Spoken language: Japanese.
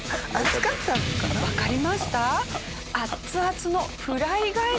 わかりました？